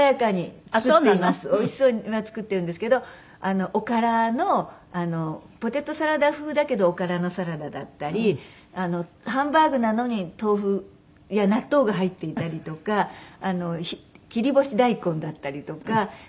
おいしそうには作ってるんですけどおからのポテトサラダ風だけどおからのサラダだったりハンバーグなのに豆腐や納豆が入っていたりとか切り干し大根だったりとか割と大人好みになりますけど。